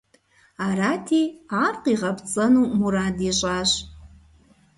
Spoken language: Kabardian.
Арати ар къигъэпцӀэну мурад ищӀащ.